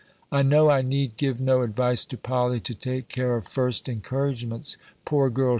"I knowe I neede give no advice to Polley, to take care of first encouragements. Poor girl!